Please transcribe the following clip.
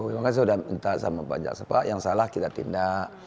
makanya saya udah minta sama pak jaksa pak yang salah kita tindak